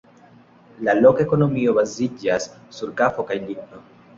La loka ekonomio baziĝas sur kafo kaj ligno.